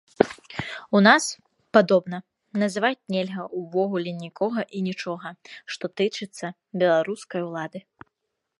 У нас, падобна, называць нельга ўвогуле нікога і нічога, што тычыцца беларускай улады.